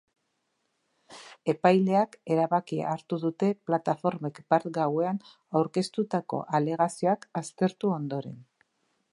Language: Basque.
Epaileek erabakia hartu dute plataformek bart gauean aurkeztutako alegazioak aztertu ondoren.